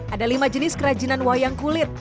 ada lima jenis kerajinan wayang kulit